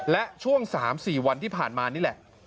และช่วง๓๔วันที่ผ่านมานี่แหละ